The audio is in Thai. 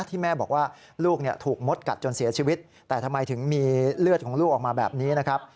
ที่แม่บอกว่าลูกถูกมดกัดจนเสียชีวิตแต่ทำไมถึงมีเลือดของลูกออกมาแบบนี้นะครับ